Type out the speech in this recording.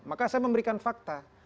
maka saya memberikan fakta